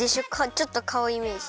ちょっとかおイメージ。